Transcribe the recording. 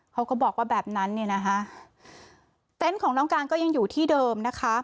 เขาก็บอกว่าแบบนั้นเนี่ยนะคะเต็นต์ของน้องการก็ยังอยู่ที่เดิมนะคะ